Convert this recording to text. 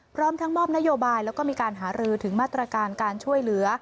พร้อมทั้งมอบนโยบายแล้วก็มีการหารือถึงมาตรการการช่วยเหลือ